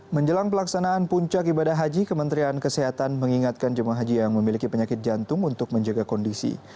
menjelang pelaksanaan puncak ibadah haji kementerian kesehatan mengingatkan jemaah haji yang memiliki penyakit jantung untuk menjaga kondisi